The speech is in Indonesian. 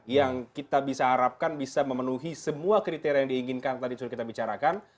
yang kita bisa harapkan bisa memenuhi semua kriteria yang diinginkan tadi sudah kita bicarakan